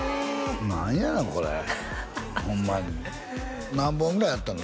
何やねんこれホンマに何本ぐらいやったの？